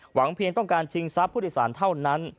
เพียงต้องการชิงทรัพย์ผู้โดยสารเท่านั้น